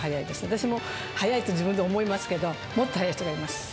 私も速いと自分で思いますけど、もっと速い人がいます。